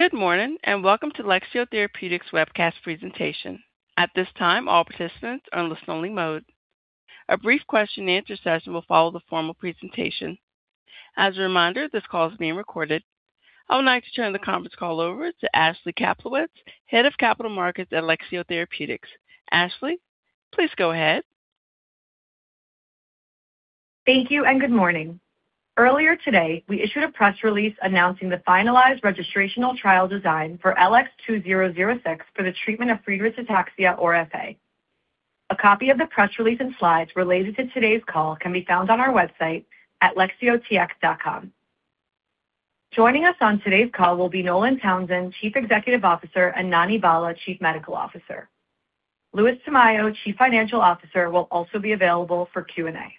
Good morning, and welcome to Lexeo Therapeutics webcast presentation. At this time, all participants are in listen only mode. A brief question and answer session will follow the formal presentation. As a reminder, this call is being recorded. I would like to turn the conference call over to Ashley Kaplowitz, Head of Capital Markets at Lexeo Therapeutics. Ashley, please go ahead. Thank you, and good morning. Earlier today, we issued a press release announcing the finalized registrational trial design for LX2006 for the treatment of Friedreich's ataxia or FA. A copy of the press release and slides related to today's call can be found on our website at lexeotx.com. Joining us on today's call will be Nolan Townsend, Chief Executive Officer, and Nani Bhalla, Chief Medical Officer. Louis Tamayo, Chief Financial Officer, will also be available for Q&A.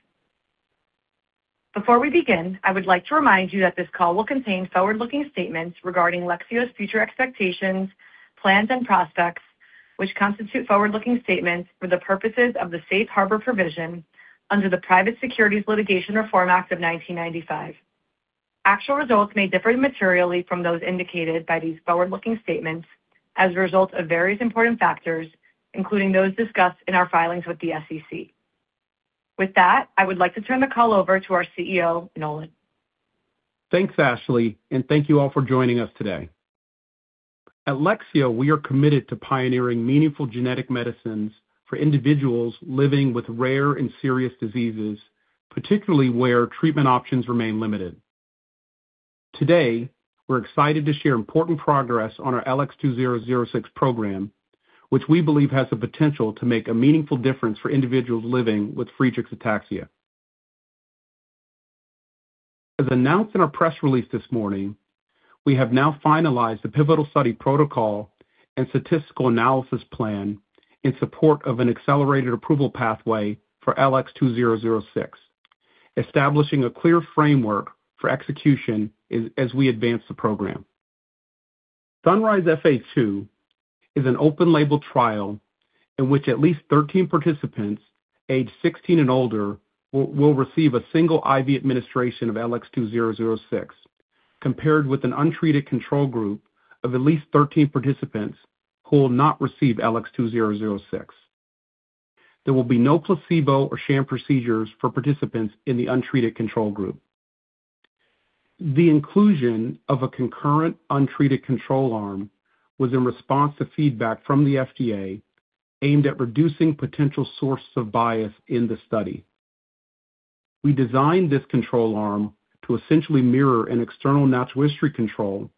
Before we begin, I would like to remind you that this call will contain forward-looking statements regarding Lexeo's future expectations, plans, and prospects, which constitute forward-looking statements for the purposes of the Safe Harbor provision under the Private Securities Litigation Reform Act of 1995. Actual results may differ materially from those indicated by these forward-looking statements as a result of various important factors, including those discussed in our filings with the SEC. With that, I would like to turn the call over to our CEO, Nolan. Thanks, Ashley, and thank you all for joining us today. At Lexeo, we are committed to pioneering meaningful genetic medicines for individuals living with rare and serious diseases, particularly where treatment options remain limited. Today, we're excited to share important progress on our LX2006 program, which we believe has the potential to make a meaningful difference for individuals living with Friedreich's ataxia. As announced in our press release this morning, we have now finalized the pivotal study protocol and statistical analysis plan in support of an accelerated approval pathway for LX2006, establishing a clear framework for execution as we advance the program. SUNRISE-FA 2 is an open-label trial in which at least 13 participants aged 16 and older will receive a single IV administration of LX2006, compared with an untreated control group of at least 13 participants who will not receive LX2006. There will be no placebo or sham procedures for participants in the untreated control group. The inclusion of a concurrent untreated control arm was in response to feedback from the FDA aimed at reducing potential sources of bias in the study. We designed this control arm to essentially mirror an external natural history control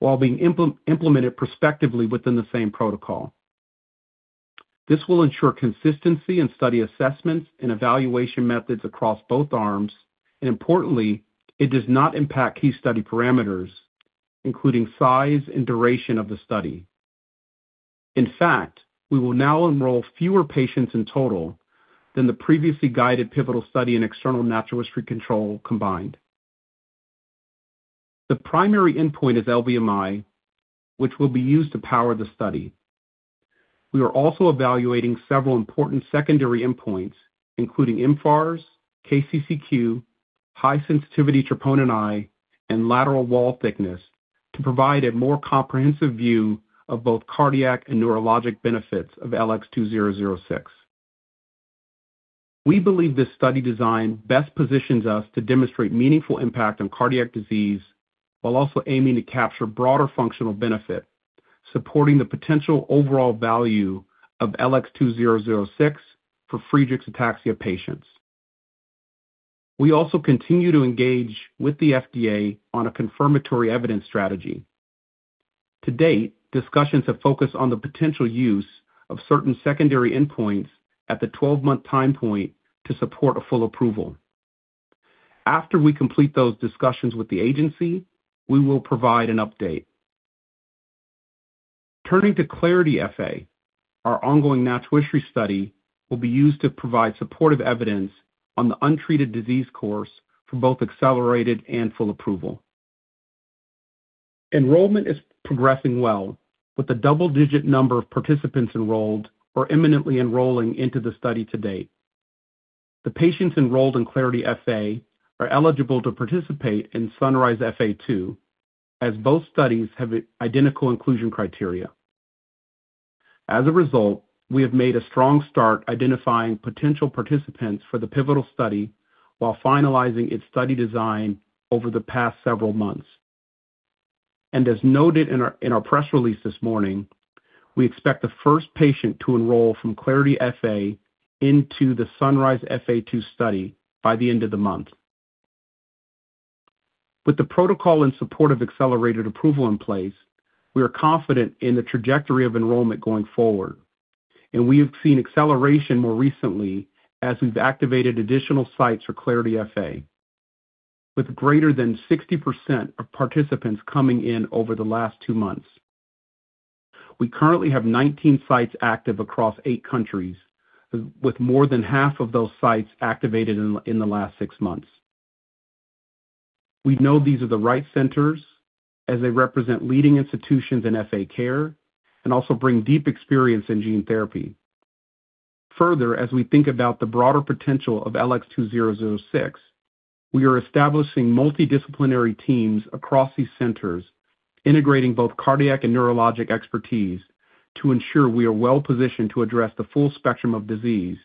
while being implemented prospectively within the same protocol. This will ensure consistency in study assessments and evaluation methods across both arms, and importantly, it does not impact key study parameters, including size and duration of the study. In fact, we will now enroll fewer patients in total than the previously guided pivotal study and external natural history control combined. The primary endpoint is LVMI, which will be used to power the study. We are also evaluating several important secondary endpoints, including mFARS, KCCQ, high-sensitivity troponin I, and lateral wall thickness, to provide a more comprehensive view of both cardiac and neurologic benefits of LX2006. We believe this study design best positions us to demonstrate meaningful impact on cardiac disease while also aiming to capture broader functional benefit, supporting the potential overall value of LX2006 for Friedreich's ataxia patients. We also continue to engage with the FDA on a confirmatory evidence strategy. To date, discussions have focused on the potential use of certain secondary endpoints at the 12-month time point to support a full approval. After we complete those discussions with the agency, we will provide an update. Turning to CLARITY-FA, our ongoing natural history study will be used to provide supportive evidence on the untreated disease course for both accelerated and full approval. Enrollment is progressing well with a double-digit number of participants enrolled or imminently enrolling into the study to date. The patients enrolled in CLARITY-FA are eligible to participate in SUNRISE-FA 2, as both studies have identical inclusion criteria. As a result, we have made a strong start identifying potential participants for the pivotal study while finalizing its study design over the past several months. As noted in our press release this morning, we expect the first patient to enroll from CLARITY-FA into the SUNRISE-FA 2 study by the end of the month. With the protocol and support of accelerated approval in place, we are confident in the trajectory of enrollment going forward, and we have seen acceleration more recently as we've activated additional sites for CLARITY-FA, with greater than 60% of participants coming in over the last two months. We currently have 19 sites active across eight countries, with more than half of those sites activated in the last six months. We know these are the right centers as they represent leading institutions in FA care and also bring deep experience in gene therapy. Further, as we think about the broader potential of LX2006, we are establishing multidisciplinary teams across these centers, integrating both cardiac and neurologic expertise to ensure we are well-positioned to address the full spectrum of disease,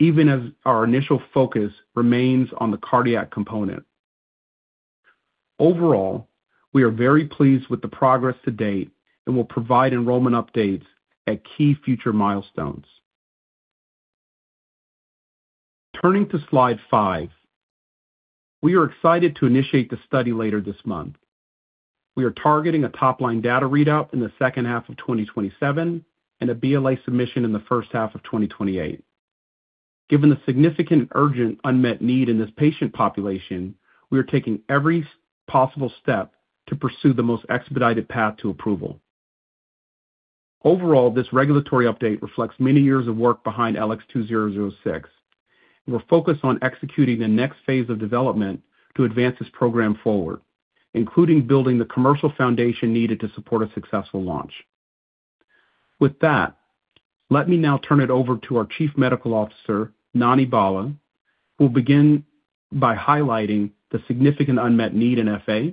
even as our initial focus remains on the cardiac component. Overall, we are very pleased with the progress to date and will provide enrollment updates at key future milestones. Turning to slide five, we are excited to initiate the study later this month. We are targeting a top-line data readout in the second half of 2027 and a BLA submission in the first half of 2028. Given the significant, urgent unmet need in this patient population, we are taking every possible step to pursue the most expedited path to approval. Overall, this regulatory update reflects many years of work behind LX2006. We're focused on executing the next phase of development to advance this program forward, including building the commercial foundation needed to support a successful launch. With that, let me now turn it over to our Chief Medical Officer, Nani Bhalla, who will begin by highlighting the significant unmet need in FA,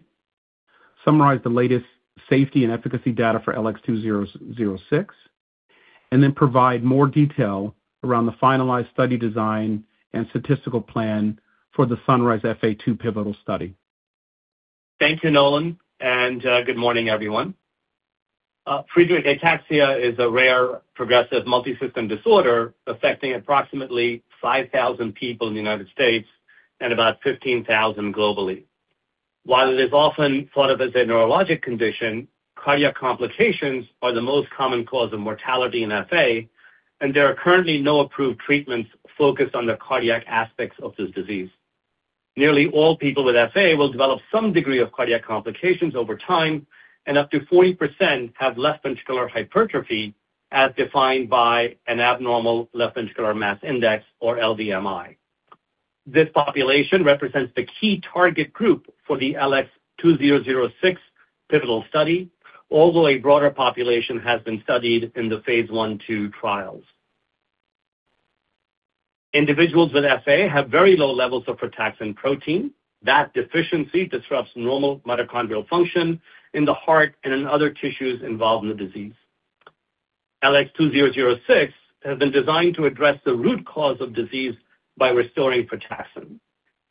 summarize the latest safety and efficacy data for LX2006, and then provide more detail around the finalized study design and statistical plan for the SUNRISE-FA 2 pivotal study. Thank you, Nolan, and good morning, everyone. Friedreich's ataxia is a rare, progressive multi-system disorder affecting approximately 5,000 people in the U.S. and about 15,000 globally. While it is often thought of as a neurologic condition, cardiac complications are the most common cause of mortality in FA, and there are currently no approved treatments focused on the cardiac aspects of this disease. Nearly all people with FA will develop some degree of cardiac complications over time, and up to 40% have left ventricular hypertrophy, as defined by an abnormal left ventricular mass index or LVMI. This population represents the key target group for the LX2006 pivotal study, although a broader population has been studied in the phase I/II trials. Individuals with FA have very low levels of frataxin protein. That deficiency disrupts normal mitochondrial function in the heart and in other tissues involved in the disease. LX2006 has been designed to address the root cause of disease by restoring frataxin.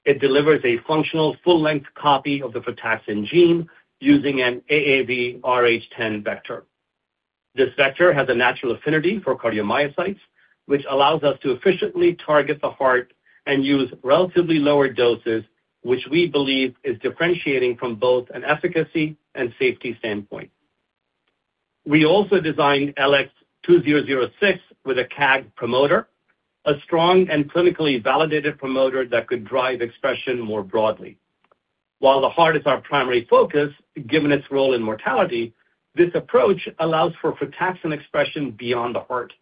It delivers a functional full-length copy of the frataxin gene using an AAVrh10 vector. This vector has a natural affinity for cardiomyocytes, which allows us to efficiently target the heart and use relatively lower doses, which we believe is differentiating from both an efficacy and safety standpoint. We also designed LX2006 with a CAG promoter, a strong and clinically validated promoter that could drive expression more broadly. While the heart is our primary focus, given its role in mortality, this approach allows for frataxin expression beyond the heart,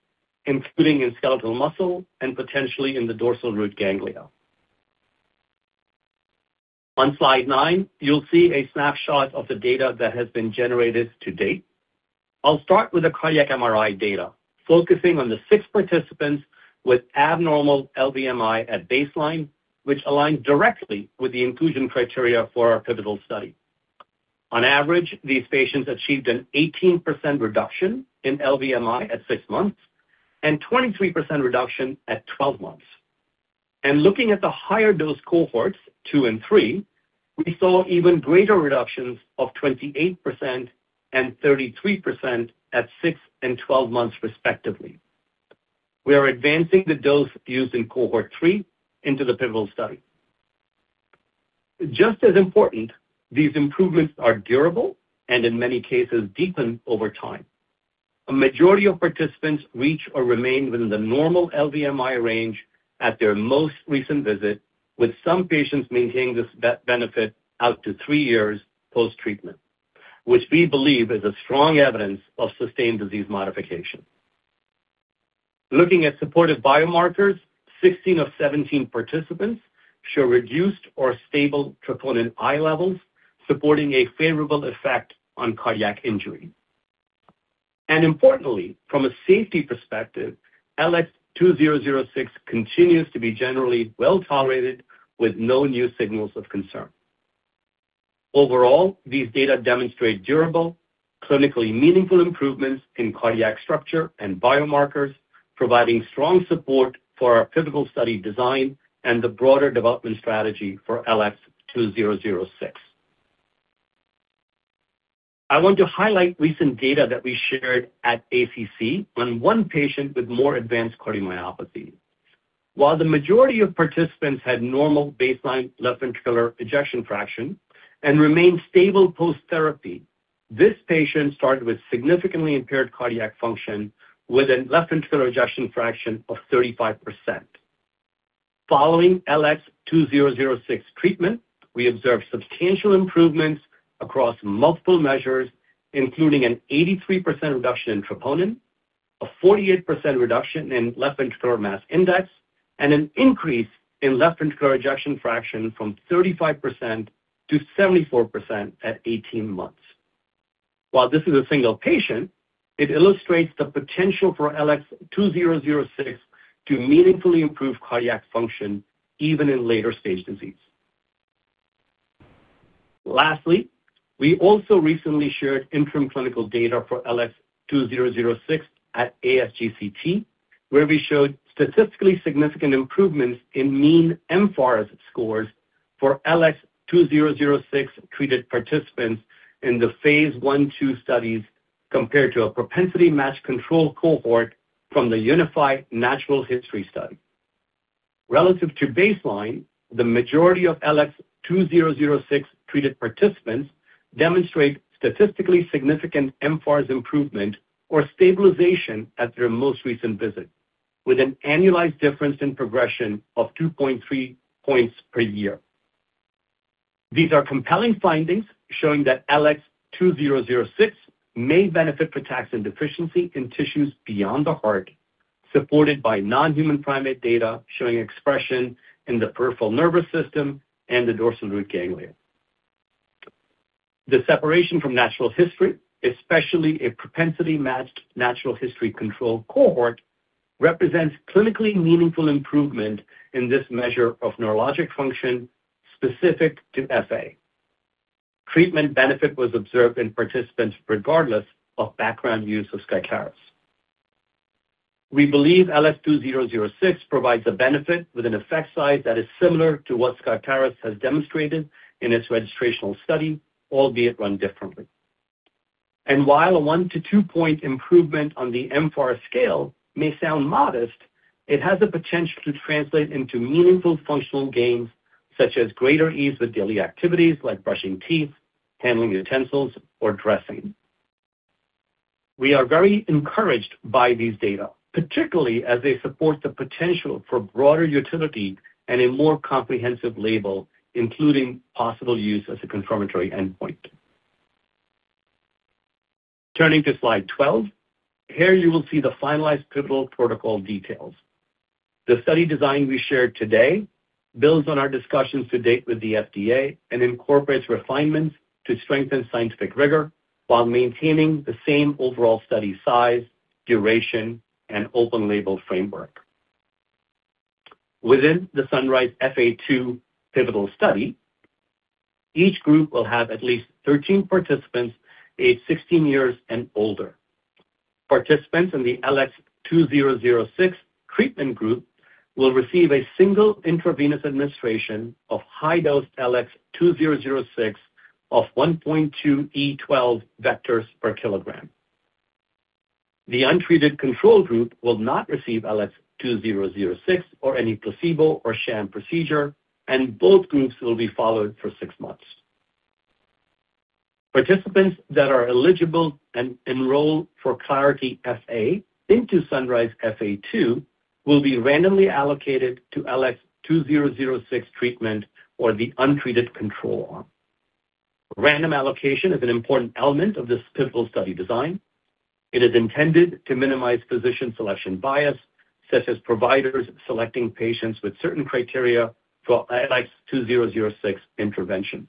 including in skeletal muscle and potentially in the dorsal root ganglia. On slide nine, you'll see a snapshot of the data that has been generated to date. I'll start with the cardiac MRI data, focusing on the six participants with abnormal LVMI at baseline, which aligns directly with the inclusion criteria for our pivotal study. On average, these patients achieved an 18% reduction in LVMI at six months and 23% reduction at 12 months. Looking at the higher dose cohorts 2 and 3, we saw even greater reductions of 28% and 33% at six and 12 months respectively. We are advancing the dose used in cohort 3 into the pivotal study. Just as important, these improvements are durable and in many cases deepen over time. A majority of participants reach or remain within the normal LVMI range at their most recent visit, with some patients maintaining this benefit out to three years post-treatment, which we believe is strong evidence of sustained disease modification. Looking at supportive biomarkers, 16 of 17 participants show reduced or stable troponin I levels, supporting a favorable effect on cardiac injury. Importantly, from a safety perspective, LX2006 continues to be generally well-tolerated with no new signals of concern. Overall, these data demonstrate durable, clinically meaningful improvements in cardiac structure and biomarkers, providing strong support for our pivotal study design and the broader development strategy for LX2006. I want to highlight recent data that we shared at ACC on one patient with more advanced cardiomyopathy. While the majority of participants had normal baseline left ventricular ejection fraction and remained stable post-therapy, this patient started with significantly impaired cardiac function with a left ventricular ejection fraction of 35%. Following LX2006 treatment, we observed substantial improvements across multiple measures, including an 83% reduction in troponin, a 48% reduction in left ventricular mass index, and an increase in left ventricular ejection fraction from 35% to 74% at 18 months. While this is a single patient, it illustrates the potential for LX2006 to meaningfully improve cardiac function even in later stage disease. Lastly, we also recently shared interim clinical data for LX2006 at ASGCT, where we showed statistically significant improvements in mean mFARS scores for LX2006-treated participants in the phase I/II studies compared to a propensity-matched control cohort from the unified natural history study. Relative to baseline, the majority of LX2006-treated participants demonstrate statistically significant mFARS improvement or stabilization at their most recent visit, with an annualized difference in progression of 2.3 points per year. These are compelling findings showing that LX2006 may benefit frataxin deficiency in tissues beyond the heart, supported by non-human primate data showing expression in the peripheral nervous system and the dorsal root ganglia. The separation from natural history, especially a propensity-matched natural history control cohort, represents clinically meaningful improvement in this measure of neurologic function specific to FA. Treatment benefit was observed in participants regardless of background use of SKYCLARYS. We believe LX2006 provides a benefit with an effect size that is similar to what SKYCLARYS has demonstrated in its registrational study, albeit run differently. While a 1-2 point improvement on the mFARS scale may sound modest, it has the potential to translate into meaningful functional gains, such as greater ease with daily activities like brushing teeth, handling utensils, or dressing. We are very encouraged by these data, particularly as they support the potential for broader utility and a more comprehensive label, including possible use as a confirmatory endpoint. Turning to slide 12, here you will see the finalized pivotal protocol details. The study design we shared today builds on our discussions to date with the FDA and incorporates refinements to strengthen scientific rigor while maintaining the same overall study size, duration, and open-label framework. Within the SUNRISE-FA 2 pivotal study, each group will have at least 13 participants aged 16 years and older. Participants in the LX2006 treatment group will receive a single intravenous administration of high-dose LX2006 of 1.2 E12 vectors per kilogram. The untreated control group will not receive LX2006 or any placebo or sham procedure, and both groups will be followed for six months. Participants that are eligible and enroll for CLARITY-FA into SUNRISE-FA 2 will be randomly allocated to LX2006 treatment or the untreated control arm. Random allocation is an important element of this pivotal study design. It is intended to minimize physician selection bias, such as providers selecting patients with certain criteria for LX2006 intervention.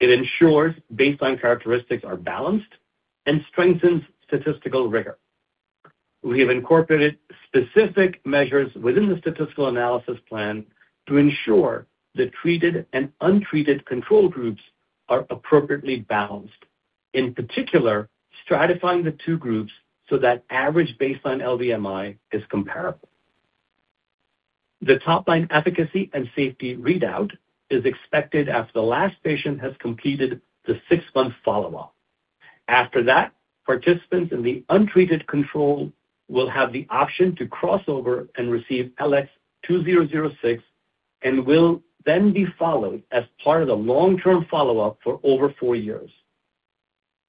It ensures baseline characteristics are balanced and strengthens statistical rigor. We have incorporated specific measures within the statistical analysis plan to ensure the treated and untreated control groups are appropriately balanced, in particular, stratifying the two groups so that average baseline LVMI is comparable. The top-line efficacy and safety readout is expected after the last patient has completed the six-month follow-up. After that, participants in the untreated control will have the option to cross over and receive LX2006 and will then be followed as part of the long-term follow-up for over four years.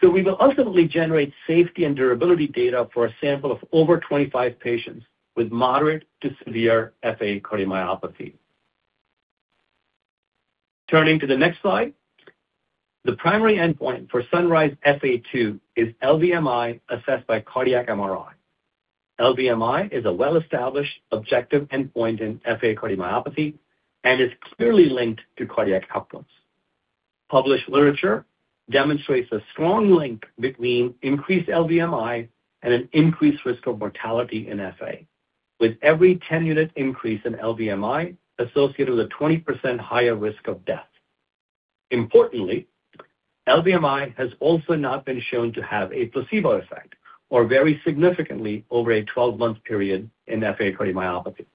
We will ultimately generate safety and durability data for a sample of over 25 patients with moderate to severe FA cardiomyopathy. Turning to the next slide. The primary endpoint for SUNRISE-FA 2 is LVMI assessed by cardiac MRI. LVMI is a well-established objective endpoint in FA cardiomyopathy and is clearly linked to cardiac outcomes. Published literature demonstrates a strong link between increased LVMI and an increased risk of mortality in FA. With every 10-unit increase in LVMI associated with a 20% higher risk of death. Importantly, LVMI has also not been shown to have a placebo effect or vary significantly over a 12-month period in FA cardiomyopathy.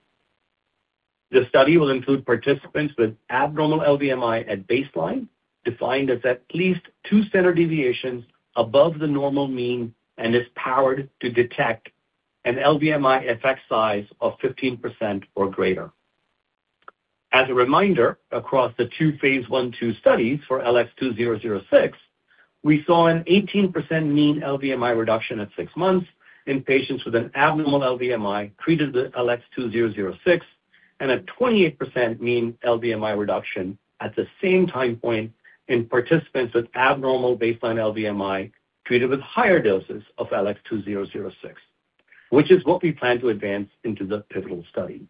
The study will include participants with abnormal LVMI at baseline, defined as at least two standard deviations above the normal mean, and is powered to detect an LVMI effect size of 15% or greater. As a reminder, across the two phase I/II studies for LX2006, we saw an 18% mean LVMI reduction at six months in patients with an abnormal LVMI treated with LX2006 and a 28% mean LVMI reduction at the same time point in participants with abnormal baseline LVMI treated with higher doses of LX2006, which is what we plan to advance into the pivotal study.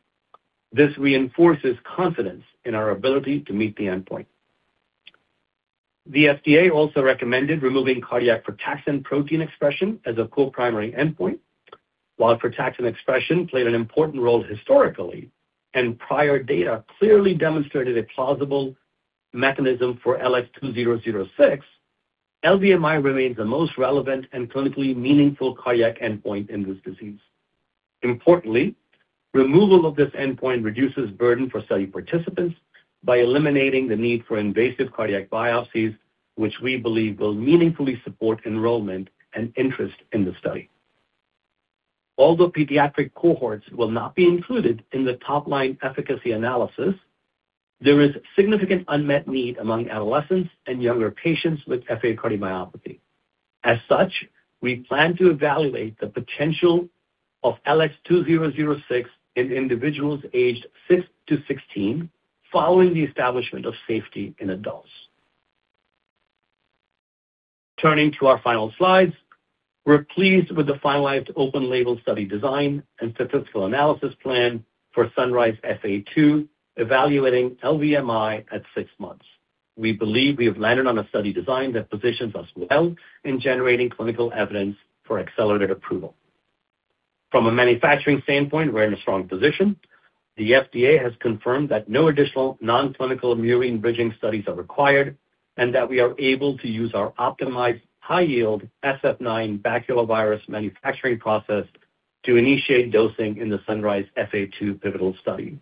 This reinforces confidence in our ability to meet the endpoint. The FDA also recommended removing cardiac frataxin protein expression as a co-primary endpoint. While frataxin expression played an important role historically and prior data clearly demonstrated a plausible mechanism for LX2006, LVMI remains the most relevant and clinically meaningful cardiac endpoint in this disease. Importantly, removal of this endpoint reduces burden for study participants by eliminating the need for invasive cardiac biopsies, which we believe will meaningfully support enrollment and interest in the study. Although pediatric cohorts will not be included in the top-line efficacy analysis, there is significant unmet need among adolescents and younger patients with FA cardiomyopathy. As such, we plan to evaluate the potential of LX2006 in individuals aged six to 16 following the establishment of safety in adults. Turning to our final slides, we're pleased with the finalized open-label study design and statistical analysis plan for SUNRISE-FA 2 evaluating LVMI at six months. We believe we have landed on a study design that positions us well in generating clinical evidence for accelerated approval. From a manufacturing standpoint, we're in a strong position. The FDA has confirmed that no additional non-clinical immune bridging studies are required, and that we are able to use our optimized high-yield Sf9 baculovirus manufacturing process to initiate dosing in the SUNRISE-FA 2 pivotal study.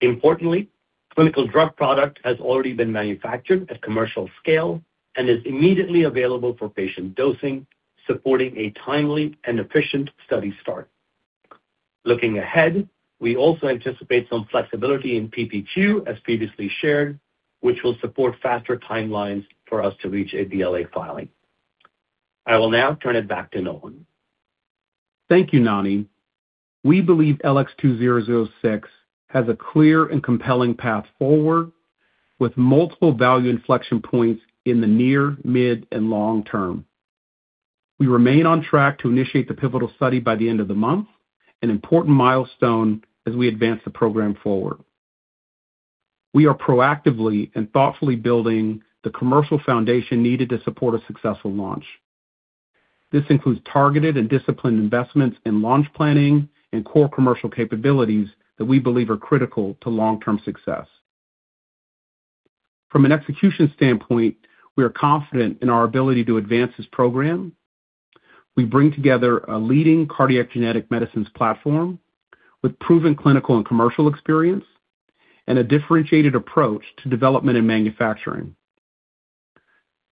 Importantly, clinical drug product has already been manufactured at commercial scale and is immediately available for patient dosing, supporting a timely and efficient study start. Looking ahead, we also anticipate some flexibility in PPQ as previously shared, which will support faster timelines for us to reach a BLA filing. I will now turn it back to Nolan. Thank you, Nani. We believe LX2006 has a clear and compelling path forward with multiple value inflection points in the near, mid, and long term. We remain on track to initiate the pivotal study by the end of the month, an important milestone as we advance the program forward. We are proactively and thoughtfully building the commercial foundation needed to support a successful launch. This includes targeted and disciplined investments in launch planning and core commercial capabilities that we believe are critical to long-term success. From an execution standpoint, we are confident in our ability to advance this program. We bring together a leading cardiac genetic medicines platform with proven clinical and commercial experience and a differentiated approach to development and manufacturing.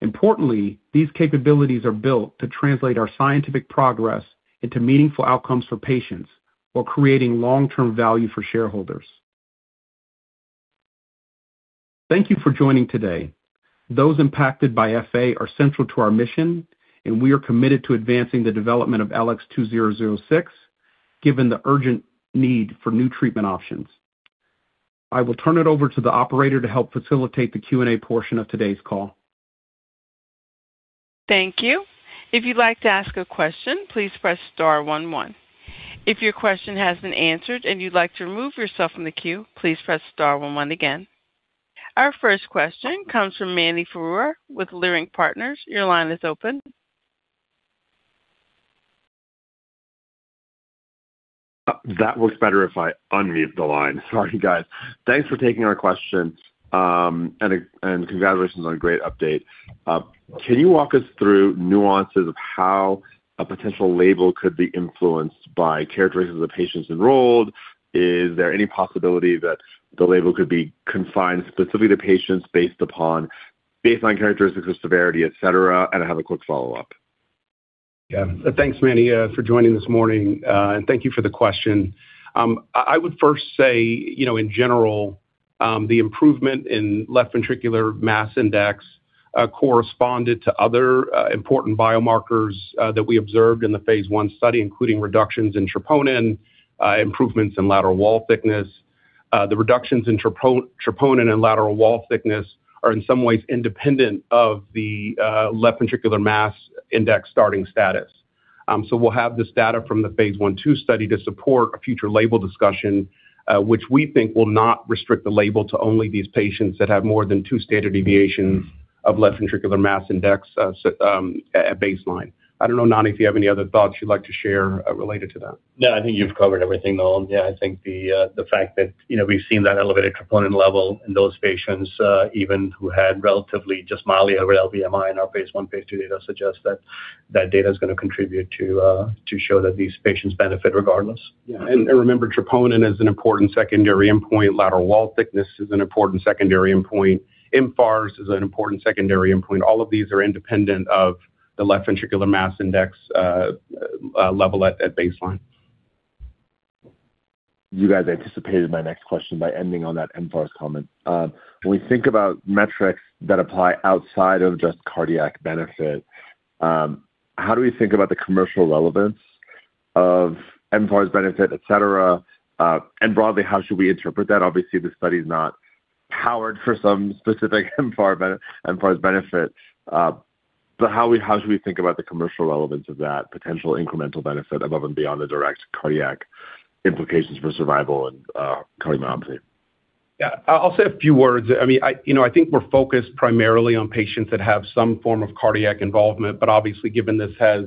Importantly, these capabilities are built to translate our scientific progress into meaningful outcomes for patients while creating long-term value for shareholders. Thank you for joining today. Those impacted by FA are central to our mission, and we are committed to advancing the development of LX2006 given the urgent need for new treatment options. I will turn it over to the operator to help facilitate the Q&A portion of today's call. Thank you. If you'd like to ask a question, please press star one one. If your question has been answered and you'd like to remove yourself from the queue, please press star one one again. Our first question comes from Mani Foroohar with Leerink Partners. Your line is open. That works better if I unmute the line. Sorry, guys. Thanks for taking our question. Congratulations on a great update. Can you walk us through nuances of how a potential label could be influenced by characteristics of patients enrolled? Is there any possibility that the label could be confined specifically to patients based upon baseline characteristics of severity, et cetera? I have a quick follow-up. Yeah. Thanks, Mani, for joining this morning. Thank you for the question. I would first say, in general, the improvement in left ventricular mass index corresponded to other important biomarkers that we observed in the phase I study, including reductions in troponin, improvements in lateral wall thickness. The reductions in troponin and lateral wall thickness are in some ways independent of the left ventricular mass index starting status. We'll have this data from the phase I/II study to support a future label discussion, which we think will not restrict the label to only these patients that have more than two standard deviations of left ventricular mass index at baseline. I don't know, Nani, if you have any other thoughts you'd like to share related to that. No, I think you've covered everything, Nolan. Yeah, I think the fact that we've seen that elevated troponin level in those patients even who had relatively just mildly over LVMI in our phase I, phase II data suggests that that data is going to contribute to show that these patients benefit regardless. Yeah. Remember, troponin is an important secondary endpoint. Lateral wall thickness is an important secondary endpoint. mFARS is an important secondary endpoint. All of these are independent of the left ventricular mass index level at baseline. You guys anticipated my next question by ending on that mFARS comment. When we think about metrics that apply outside of just cardiac benefit, how do we think about the commercial relevance of mFARS benefit, et cetera? Broadly, how should we interpret that? Obviously, the study is not powered for some specific mFARS benefit. How should we think about the commercial relevance of that potential incremental benefit above and beyond the direct cardiac implications for survival and cardiomyopathy? I'll say a few words. I think we're focused primarily on patients that have some form of cardiac involvement. Obviously, given this has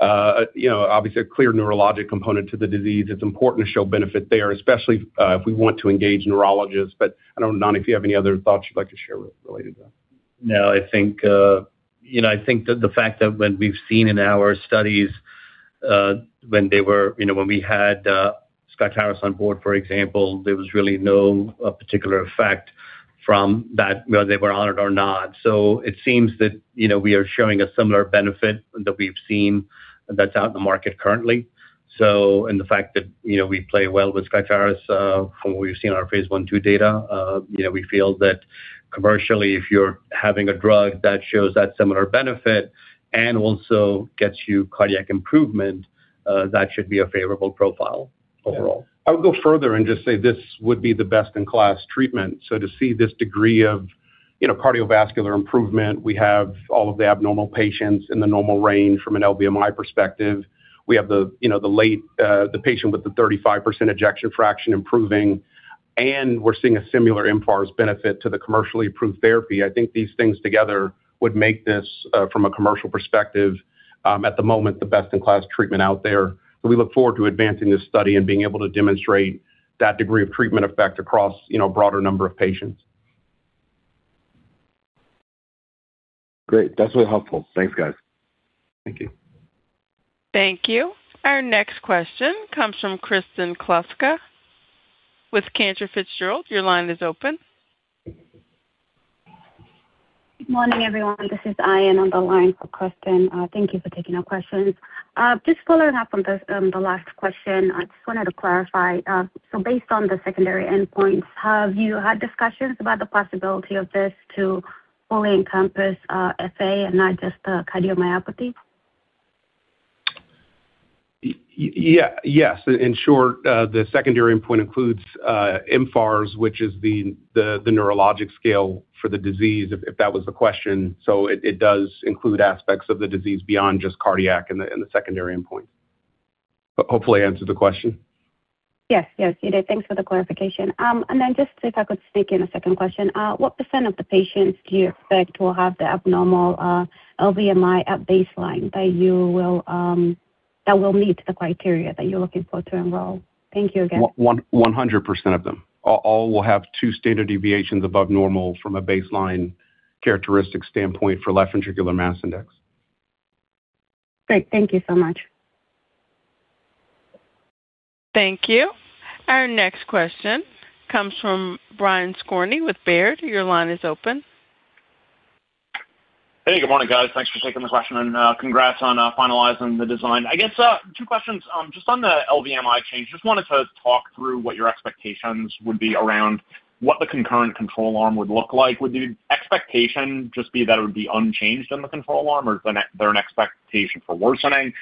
a clear neurologic component to the disease, it's important to show benefit there, especially if we want to engage neurologists. I don't know, Nani, if you have any other thoughts you'd like to share related to that. I think the fact that when we've seen in our studies, when we had SKYCLARYS on board, for example, there was really no particular effect from that, whether they were on it or not. It seems that we are showing a similar benefit that we've seen that's out in the market currently. The fact that we play well with SKYCLARYS from what we've seen in our phase I/II data, we feel that commercially, if you're having a drug that shows that similar benefit and also gets you cardiac improvement, that should be a favorable profile overall. I would go further and just say this would be the best-in-class treatment. To see this degree of cardiovascular improvement, we have all of the abnormal patients in the normal range from an LVMI perspective. We have the patient with the 35% ejection fraction improving, and we're seeing a similar mFARS benefit to the commercially approved therapy. I think these things together would make this, from a commercial perspective at the moment, the best-in-class treatment out there. We look forward to advancing this study and being able to demonstrate that degree of treatment effect across a broader number of patients. Great. That's really helpful. Thanks, guys. Thank you. Thank you. Our next question comes from Kristen Kluska with Cantor Fitzgerald. Your line is open. Good morning, everyone. This is Aya on the line for Kristen. Thank you for taking our questions. Just following up on the last question, I just wanted to clarify. Based on the secondary endpoints, have you had discussions about the possibility of this to fully encompass FA and not just the cardiomyopathy? Yes. In short, the secondary endpoint includes mFARS, which is the neurologic scale for the disease, if that was the question. It does include aspects of the disease beyond just cardiac in the secondary endpoint. Hopefully I answered the question. Yes. You did. Thanks for the clarification. Just if I could sneak in a second question. What percent of the patients do you expect will have the abnormal LVMI at baseline that will meet the criteria that you're looking for to enroll? Thank you again. 100% of them. All will have two standard deviations above normal from a baseline characteristic standpoint for left ventricular mass index. Great. Thank you so much. Thank you. Our next question comes from Brian Skorney with Baird. Your line is open. Hey, good morning, guys. Thanks for taking the question. Congrats on finalizing the design. I guess two questions. Just on the LVMI change, just wanted to talk through what your expectations would be around what the concurrent control arm would look like. Would the expectation just be that it would be unchanged in the control arm, or is there an expectation for worsening?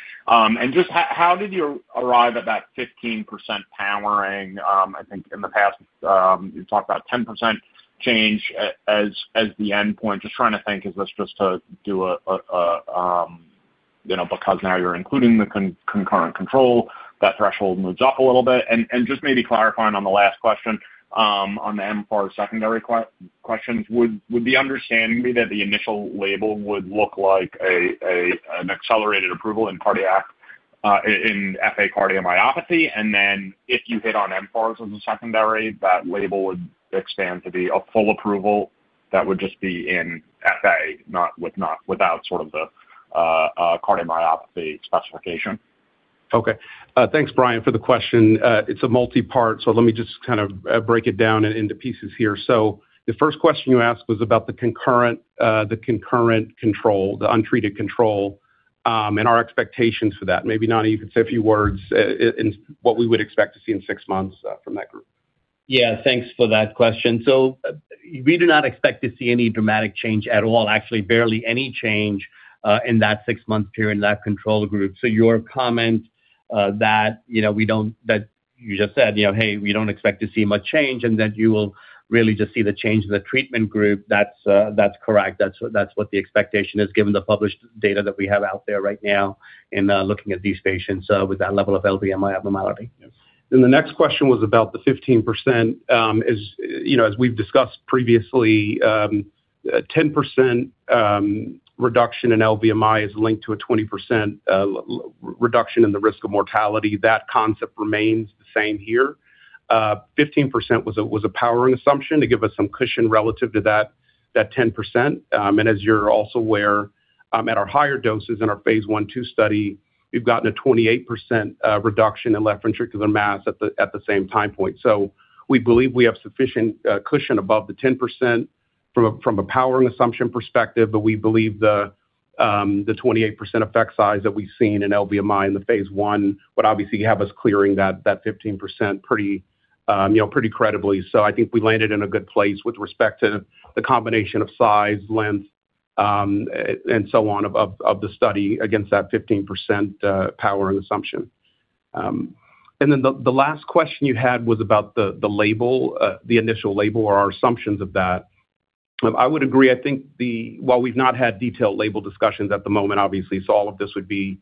Just how did you arrive at that 15% powering? I think in the past, you've talked about 10% change as the endpoint. Just trying to think, is this just to do because now you're including the concurrent control, that threshold moves up a little bit? Just maybe clarifying on the last question, on the mFARS secondary questions. Would the understanding be that the initial label would look like an accelerated approval in FA cardiomyopathy, and then if you hit on mFARS as a secondary, that label would expand to be a full approval that would just be in FA, without sort of the cardiomyopathy specification? Okay. Thanks, Brian, for the question. It's a multi-part, let me just break it down into pieces here. The first question you asked was about the concurrent control, the untreated control, and our expectations for that. Maybe, Nani, you could say a few words in what we would expect to see in six months from that group. Thanks for that question. We do not expect to see any dramatic change at all, actually barely any change in that six-month period in that control group. Your comment that you just said, hey, we don't expect to see much change, and that you will really just see the change in the treatment group, that's correct. That's what the expectation is, given the published data that we have out there right now in looking at these patients with that level of LVMI abnormality. The next question was about the 15%. As we've discussed previously, 10% reduction in LVMI is linked to a 20% reduction in the risk of mortality. That concept remains the same here. 15% was a powering assumption to give us some cushion relative to that 10%. As you're also aware, at our higher doses in our phase I/II study, we've gotten a 28% reduction in left ventricular mass at the same time point. We believe we have sufficient cushion above the 10% from a powering assumption perspective. We believe the 28% effect size that we've seen in LVMI in the phase I would obviously have us clearing that 15% pretty credibly. I think we landed in a good place with respect to the combination of size, length, and so on of the study against that 15% powering assumption. The last question you had was about the initial label or our assumptions of that. I would agree, I think while we've not had detailed label discussions at the moment, obviously, all of this would be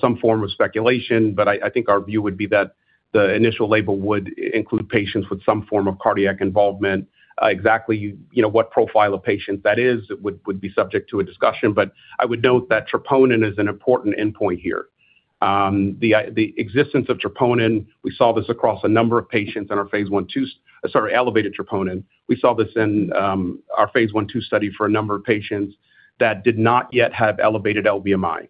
some form of speculation. I think our view would be that the initial label would include patients with some form of cardiac involvement. Exactly what profile of patients that is would be subject to a discussion, but I would note that troponin is an important endpoint here. The existence of troponin, we saw this across a number of patients in our phase I/II, sorry, elevated troponin. We saw this in our phase I/II study for a number of patients that did not yet have elevated LVMI.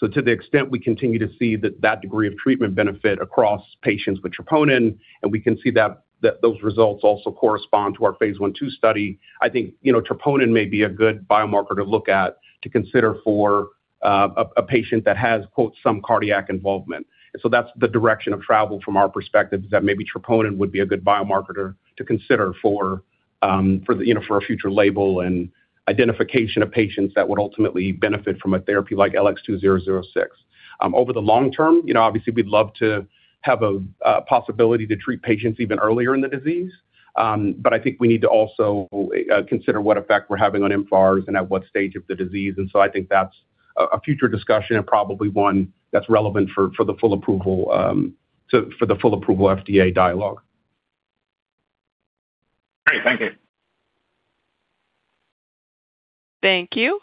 To the extent we continue to see that degree of treatment benefit across patients with troponin, and we can see that those results also correspond to our phase I/II study. I think troponin may be a good biomarker to look at to consider for a patient that has quote some cardiac involvement. That's the direction of travel from our perspective, is that maybe troponin would be a good biomarker to consider for a future label and identification of patients that would ultimately benefit from a therapy like LX2006. Over the long term, obviously, we'd love to have a possibility to treat patients even earlier in the disease. I think we need to also consider what effect we're having on mFARS and at what stage of the disease. I think that's a future discussion and probably one that's relevant for the full approval FDA dialogue. Great. Thank you. Thank you.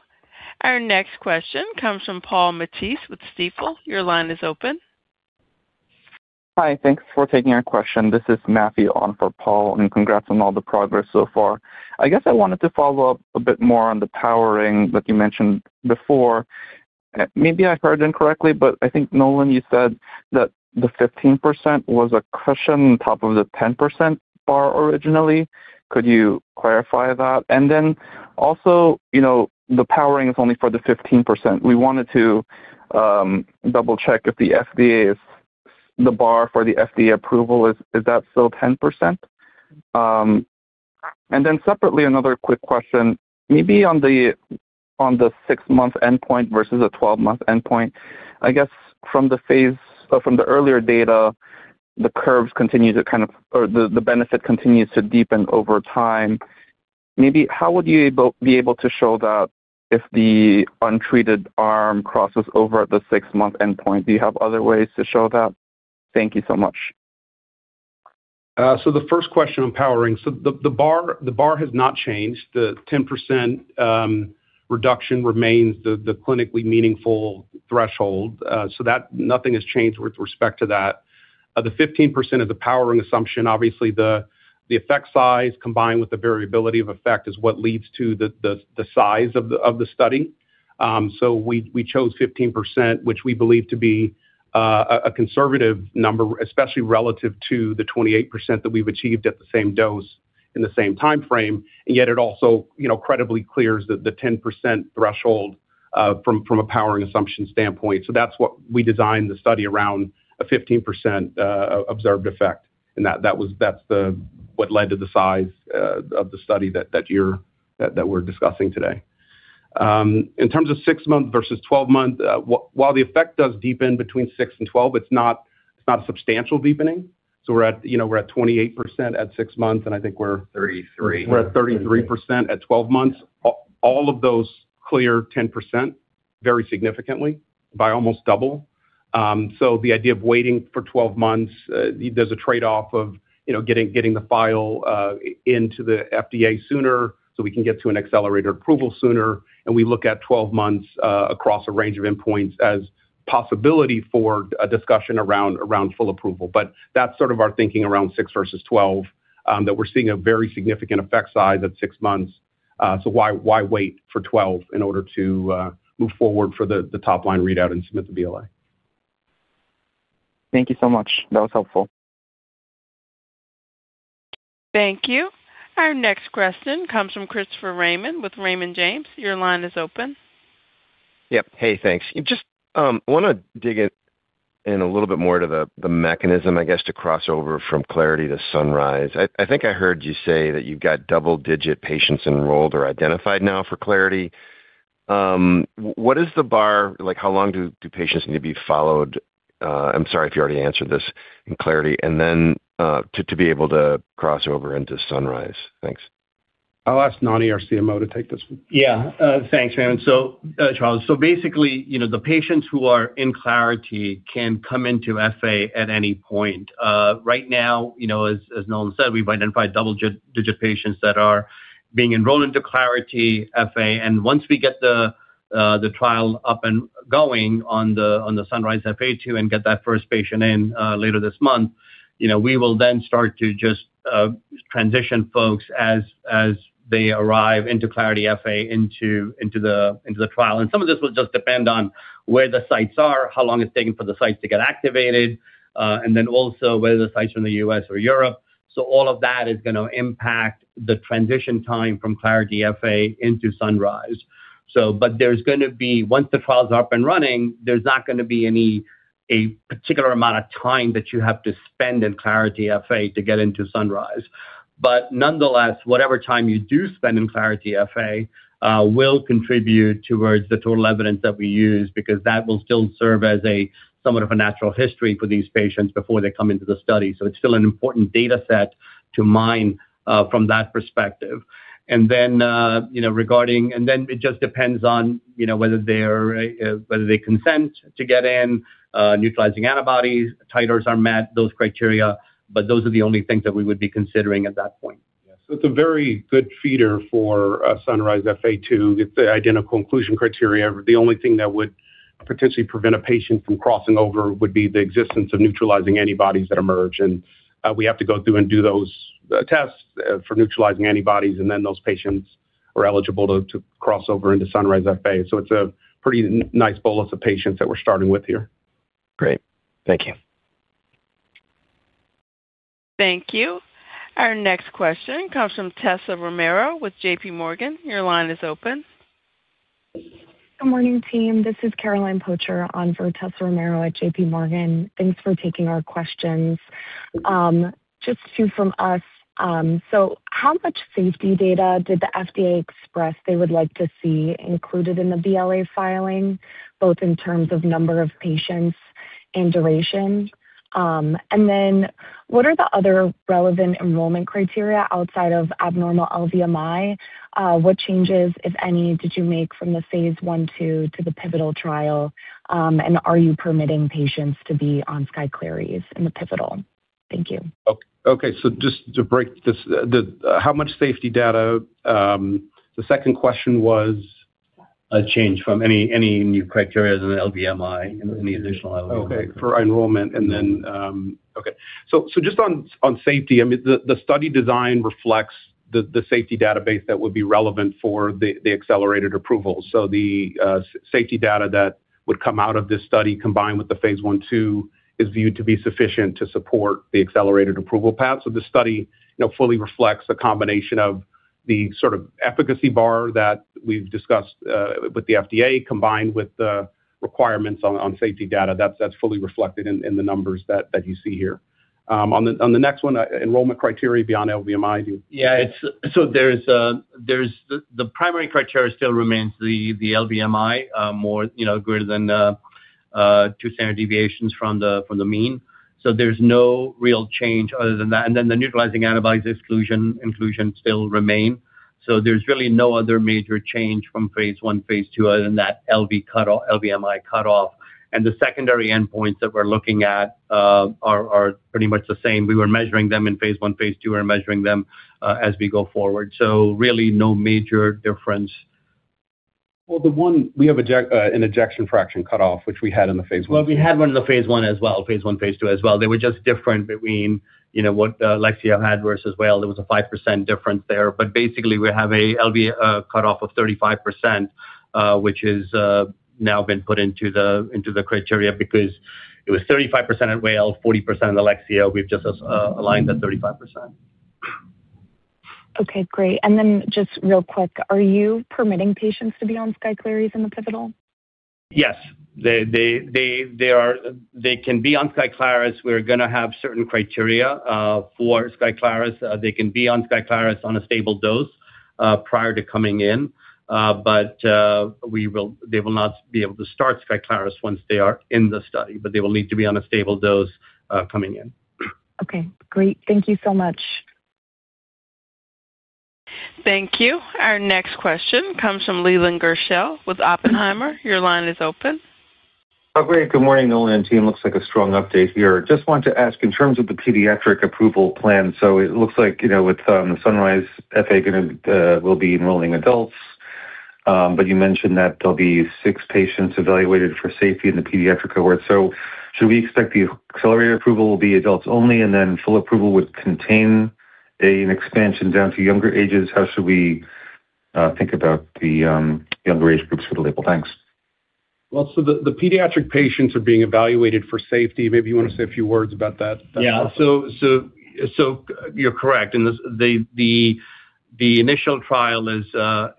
Our next question comes from Paul Matteis with Stifel. Your line is open. Hi. Thanks for taking our question. This is Matthew on for Paul. Congrats on all the progress so far. I guess I wanted to follow up a bit more on the powering that you mentioned before. Maybe I heard incorrectly, but I think, Nolan, you said that the 15% was a cushion on top of the 10% bar originally. Could you clarify that? Also, the powering is only for the 15%. We wanted to double-check if the bar for the FDA approval, is that still 10%? Separately, another quick question. Maybe on the six-month endpoint versus a 12-month endpoint. I guess from the earlier data, the benefit continues to deepen over time. Maybe how would you be able to show that if the untreated arm crosses over at the six-month endpoint? Do you have other ways to show that? Thank you so much. The first question on powering. The bar has not changed. The 10% reduction remains the clinically meaningful threshold. Nothing has changed with respect to that. The 15% of the powering assumption, obviously the effect size combined with the variability of effect is what leads to the size of the study. We chose 15%, which we believe to be a conservative number, especially relative to the 28% that we've achieved at the same dose in the same timeframe. Yet it also credibly clears the 10% threshold from a powering assumption standpoint. That's what we designed the study around a 15% observed effect, and that's what led to the size of the study that we're discussing today. In terms of six months versus 12 months, while the effect does deepen between six and 12, it's not a substantial deepening. We're at 28% at six months. 33%. We're at 33% at 12 months. All of those clear 10% very significantly by almost double. The idea of waiting for 12 months, there's a trade-off of getting the file into the FDA sooner so we can get to an accelerator approval sooner. We look at 12 months across a range of endpoints as possibility for a discussion around full approval. That's sort of our thinking around six versus 12, that we're seeing a very significant effect size at six months. Why wait for 12 in order to move forward for the top-line readout and submit the BLA? Thank you so much. That was helpful. Thank you. Our next question comes from Christopher Raymond with Raymond James. Your line is open. Yep. Hey, thanks. Just want to dig in a little bit more to the mechanism, I guess, to cross over from CLARITY-FA to SUNRISE-FA 2. I think I heard you say that you've got double-digit patients enrolled or identified now for CLARITY-FA. What is the bar? How long do patients need to be followed, I'm sorry if you already answered this, in CLARITY-FA and then to be able to cross over into SUNRISE-FA 2? Thanks. I'll ask Nani, our CMO, to take this one. Yeah. Thanks. Charles, basically, the patients who are in CLARITY-FA can come into FA at any point. Right now, as Nolan said, we've identified double-digit patients that are being enrolled into CLARITY-FA. Once we get the trial up and going on the SUNRISE-FA 2 and get that first patient in later this month, we will then start to just transition folks as they arrive into CLARITY-FA into the trial. Some of this will just depend on where the sites are, how long it's taking for the sites to get activated, then also whether the sites are in the U.S. or Europe. All of that is going to impact the transition time from CLARITY-FA into SUNRISE-FA 2. Once the trial's up and running, there's not going to be a particular amount of time that you have to spend in CLARITY-FA to get into SUNRISE-FA 2. Nonetheless, whatever time you do spend in CLARITY-FA will contribute towards the total evidence that we use, because that will still serve as somewhat of a natural history for these patients before they come into the study. It's still an important data set to mine from that perspective. Then it just depends on whether they consent to get in, neutralizing antibodies, titers are met, those criteria. Those are the only things that we would be considering at that point. It's a very good feeder for SUNRISE-FA 2. It's the identical inclusion criteria. The only thing that would potentially prevent a patient from crossing over would be the existence of neutralizing antibodies that emerge. We have to go through and do those tests for neutralizing antibodies, and then those patients are eligible to cross over into SUNRISE-FA 2. It's a pretty nice bolus of patients that we're starting with here. Great. Thank you. Thank you. Our next question comes from Tessa Romero with JPMorgan. Your line is open. Good morning, team. This is Caroline Pocher on for Tessa Romero at JPMorgan. Thanks for taking our questions. Just two from us. How much safety data did the FDA express they would like to see included in the BLA filing, both in terms of number of patients and duration? Then what are the other relevant enrollment criteria outside of abnormal LVMI? What changes, if any, did you make from the phase I/II to the pivotal trial? Are you permitting patients to be on SKYCLARYS in the pivotal? Thank you. Okay. Just to break this, how much safety data? The second question was? A change from any new criteria in the LVMI, any additional LVMI. Okay. For enrollment, and then, okay. Just on safety, the study design reflects the safety database that would be relevant for the accelerated approval. The safety data that would come out of this study, combined with the phase I/II, is viewed to be sufficient to support the accelerated approval path. The study fully reflects a combination of the sort of efficacy bar that we've discussed with the FDA, combined with the requirements on safety data. That's fully reflected in the numbers that you see here. On the next one, enrollment criteria beyond LVMI view. Yeah. The primary criteria still remains the LVMI more greater than two standard deviations from the mean. There's no real change other than that. The neutralizing antibodies exclusion, inclusion still remain. There's really no other major change from phase I, phase II other than that LVMI cutoff. The secondary endpoints that we're looking at are pretty much the same. We were measuring them in phase I, phase II. We're measuring them as we go forward. Really no major difference. Well, we have an ejection fraction cutoff, which we had in the phase I. Well, we had one in the phase I as well, phase I, phase II as well. They were just different between what Lexeo had versus Weill. There was a 5% difference there. Basically, we have a LV cutoff of 35%, which has now been put into the criteria because it was 35% at Weill, 40% at Lexeo. We've just aligned at 35%. Okay, great. Then just real quick, are you permitting patients to be on SKYCLARYS in the pivotal? Yes. They can be on SKYCLARYS. We're going to have certain criteria for SKYCLARYS. They can be on SKYCLARYS on a stable dose prior to coming in. They will not be able to start SKYCLARYS once they are in the study. They will need to be on a stable dose coming in. Great. Thank you so much. Thank you. Our next question comes from Leland Gershell with Oppenheimer. Your line is open. Great. Good morning, Nolan and team. Looks like a strong update here. Just wanted to ask, in terms of the pediatric approval plan. It looks like with the SUNRISE-FA 2` will be enrolling adults. You mentioned that there'll be six patients evaluated for safety in the pediatric cohort. Should we expect the accelerated approval will be adults only, and then full approval would contain an expansion down to younger ages? How should we think about the younger age groups for the label? Thanks. The pediatric patients are being evaluated for safety. Maybe you want to say a few words about that. Yeah. You're correct. The initial trial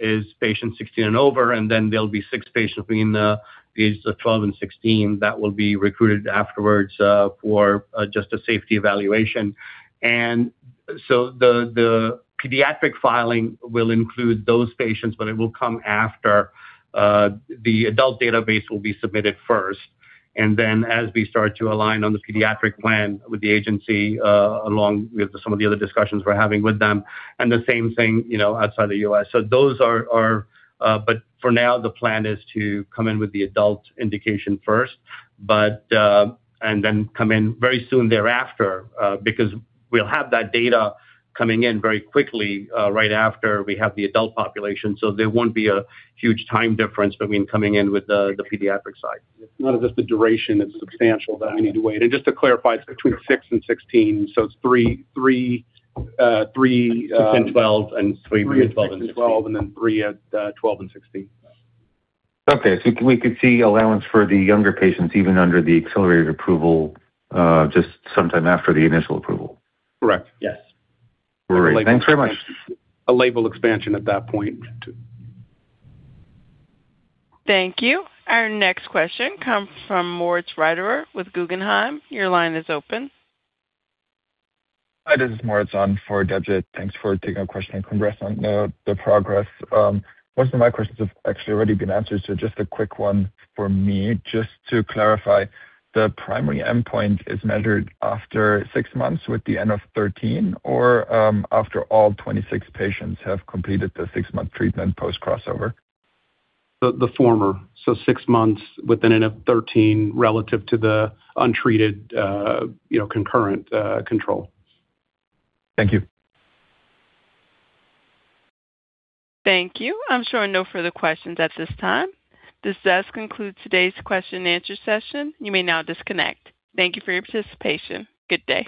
is patients 16 and over, there'll be six patients between the ages of 12 and 16 that will be recruited afterwards for just a safety evaluation. The pediatric filing will include those patients, but it will come after. The adult database will be submitted first. As we start to align on the pediatric plan with the agency, along with some of the other discussions we're having with them, and the same thing outside the U.S. The plan is to come in with the adult indication first, and then come in very soon thereafter because we'll have that data coming in very quickly, right after we have the adult population. There won't be a huge time difference between coming in with the pediatric side. Not if it's the duration is substantial that we need to wait. Just to clarify, it's between six and 16, so it's. Between 12 and 3 and then 3 at 12 and 16. Okay. We could see allowance for the younger patients, even under the accelerated approval, just sometime after the initial approval. Correct. Yes. Great. Thanks very much. A label expansion at that point, too. Thank you. Our next question comes from Moritz Reiterer with Guggenheim. Your line is open. Hi, this is Moritz on for [Georgette]. Thanks for taking our question and congrats on the progress. Most of my questions have actually already been answered. Just a quick one for me. Just to clarify, the primary endpoint is measured after six months with the n of 13 or after all 26 patients have completed the six-month treatment post-crossover? The former, six months with an n of 13 relative to the untreated concurrent control. Thank you. Thank you. I'm showing no further questions at this time. This does conclude today's question and answer session. You may now disconnect. Thank you for your participation. Good day.